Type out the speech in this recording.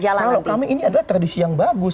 kalau kami ini adalah tradisi yang bagus